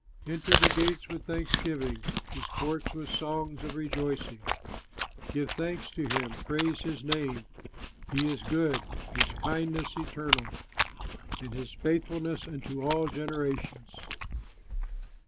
Enter his gates with thanksgiving, His courts with songs of rejoicing, Give thanks to him, praise his name, He is good, his kindness eternal, And his faithfulness unto all generations.